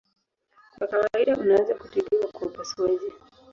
Kwa kawaida unaweza kutibiwa kwa upasuaji.